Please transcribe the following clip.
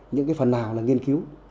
những cái phần nào là nghiên cứu